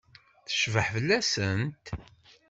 Tecbeḥ fell-asent?